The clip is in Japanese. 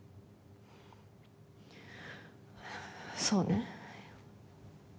そうね。